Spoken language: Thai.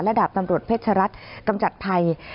ระดับตำรวจเพชรรัฐกำจัดภัย